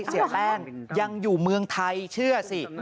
เสียแป้งยังอยู่เมืองไทยเชื่อสิ